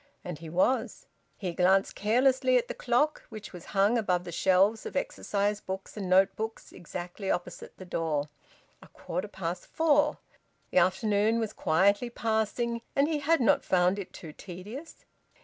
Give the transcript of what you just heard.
And he was. He glanced carelessly at the clock, which was hung above the shelves of exercise books and notebooks, exactly opposite the door. A quarter past four. The afternoon was quietly passing, and he had not found it too tedious.